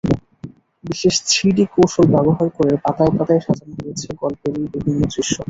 বিশেষ থ্রিডি কৌশল ব্যবহার করে পাতায় পাতায় সাজানো হয়েছে গল্পেরই বিভিন্ন দৃশ্য।